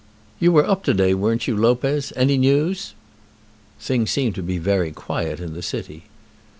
You were up to day, weren't you, Lopez? Any news?" "Things seemed to be very quiet in the city."